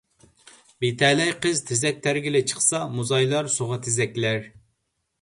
بىتەلەي قىز تېزەك تەرگىلى چىقسا، موزايلار سۇغا تېزەكلەر.